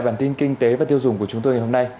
bản tin kinh tế và tiêu dùng của chúng tôi ngày hôm nay